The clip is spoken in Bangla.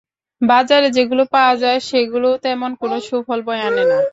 বাজারে যেগুলো পাওয়া যায়, সেগুলোও তেমন কোনো সুফল বয়ে আনে না।